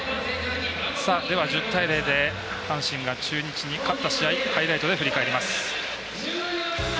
１０対０で阪神が中日に勝った試合、ハイライトで振り返ります。